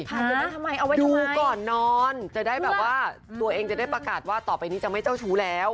จะได้ทำไมเอาไว้ดูก่อนนอนจะได้แบบว่าตัวเองจะได้ประกาศว่าต่อไปนี้จะไม่เจ้าชู้แล้ว